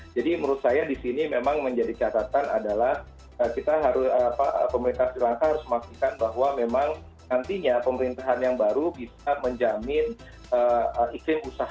jadi menurut saya di sini memang menjadi catatan adalah pemerintahan sri lanka harus memastikan bahwa memang nantinya pemerintahan yang baru bisa menjamin iklim usaha yang lebih baik